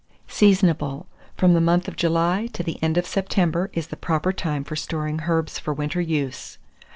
Seasonable. From the month of July to the end of September is the proper time for storing herbs for winter use.